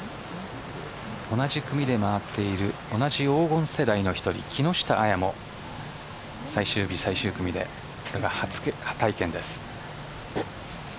同じ組で回っている同じ黄金世代の１人木下彩も最終日最終組で初体験です。